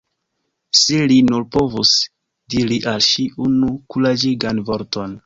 Se li nur povus diri al ŝi unu kuraĝigan vorton!